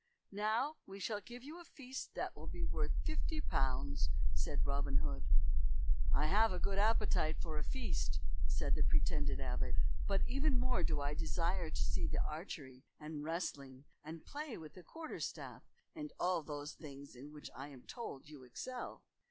"Now we shall give you a feast that will be worth fifty pounds," said Robin Hood. "I have a good appetite for a feast," said the pretended abbot, "but even more do I desire to see the archery and wrestling and play with the quarter staff and all those things in which I am told you excel."